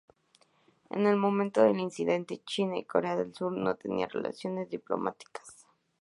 En el momento del incidente, China y Corea del Sur no tenían relaciones diplomáticas.